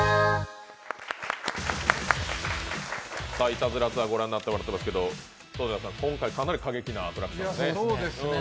いたずらツアーご覧になっていただいてますけど今回、かなり過激なアトラクションで。